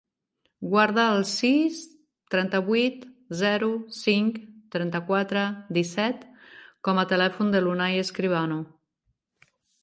Guarda el sis, trenta-vuit, zero, cinc, trenta-quatre, disset com a telèfon de l'Unai Escribano.